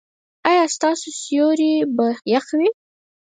ایا ستاسو سیوري به يخ وي؟